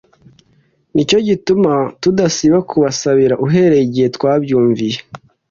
Ni cyo gituma tudasiba kubasabira uhereye igihe twabyumviye